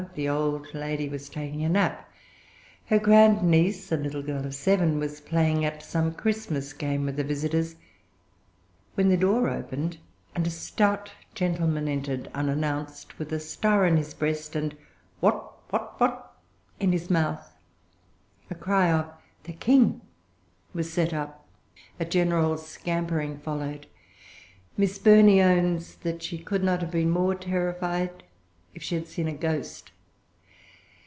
The old lady was taking a nap. Her grandniece, a little girl of seven, was playing at some Christmas game with the visitors, when the door opened, and a stout gentleman entered unannounced, with a star on his breast, and "What? what? what?" in his mouth. A cry of "The King!" was set up. A general scampering followed. Miss Burney owns that she could not have been more terrified if she had seen a ghost.